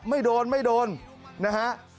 ไม่โดนนะครับ